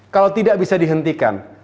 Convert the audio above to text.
kalau tidak bisa dihentikan